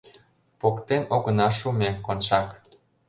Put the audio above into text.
— Поктен огына шу ме, Коншак!